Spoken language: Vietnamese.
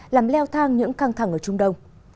làm leo thang những căng thẳng ở trung đông